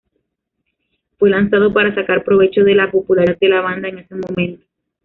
Fue lanzado para sacar provecho de la popularidad de la banda en ese momento.